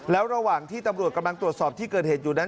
แล้วระหว่างที่ตำรวจกำลังตรวจสอบที่เกิดเหตุอยู่นั้น